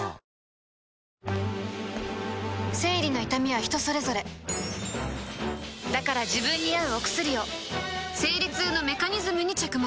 生理の痛みは人それぞれだから自分に合うお薬を生理痛のメカニズムに着目